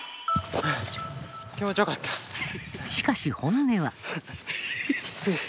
しかし本音は？